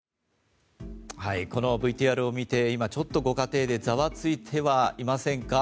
このＶＴＲを見て今、ちょっとご家庭でざわついてはいませんか。